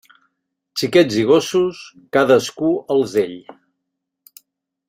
Xiquets i gossos, cadascú els d'ell.